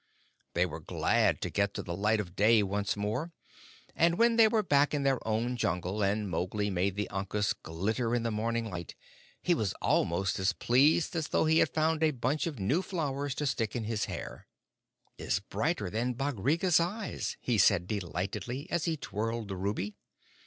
They were glad to get to the light of day once more; and when they were back in their own Jungle and Mowgli made the ankus glitter in the morning light, he was almost as pleased as though he had found a bunch of new flowers to stick in his hair. "This is brighter than Bagheera's eyes," he said delightedly, as he twirled the ruby.